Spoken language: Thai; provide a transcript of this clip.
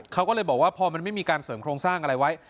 เขาก็เลยบอกว่าพอมันไม่มีการเสริมโครงสร้างอะไรไว้